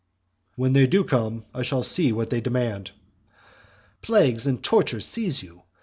"When they do come I shall see what they demand." Plagues and tortures seize you!